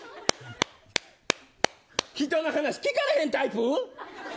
人の話、聞かれへんタイプ。